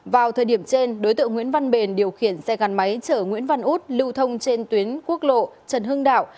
vào thời điểm trên đối tượng nguyễn văn bền điều khiển xe gắn máy chở nguyễn văn út lưu thông trên tuyến quốc lộ trần hưng đạo